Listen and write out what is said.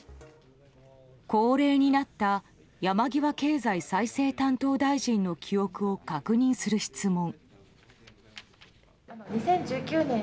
恒例になった山際経済再生担当大臣の記憶を確認する質問。